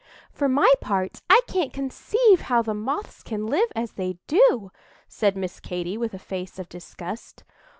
"For my part, I can't conceive how the Moths can live as they do," said Miss Katy, with a face of disgust.